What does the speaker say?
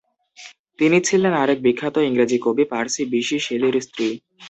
তিনি ছিলেন আরেক বিখ্যাত ইংরেজ কবি পার্সি বিশি শেলীর স্ত্রী।